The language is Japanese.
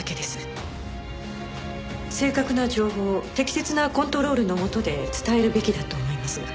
正確な情報を適切なコントロールの下で伝えるべきだと思いますが。